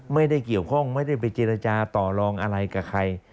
ไม่ได้เกี่ยวข้องไม่ได้ไปเจรจาต่อลองอะไรกับใคร